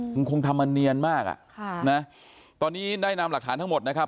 มันคงทำมาเนียนมากอ่ะค่ะนะตอนนี้ได้นำหลักฐานทั้งหมดนะครับ